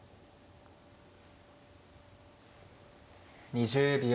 ２０秒。